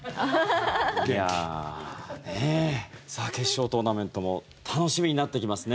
決勝トーナメントも楽しみになってきますね。